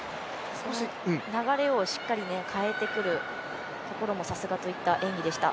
流れをしっかり変えてくるところもさすがといった演技でした。